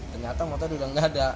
ternyata motor udah nggak ada